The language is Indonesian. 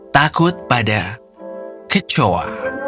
takut pada kecoa